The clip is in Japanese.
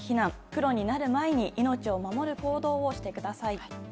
黒になる前に命を守る行動をしてください。